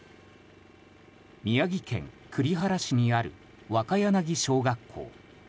宮城県栗原市にある若柳小学校。